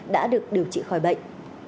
đã được điều trị khỏi bệnh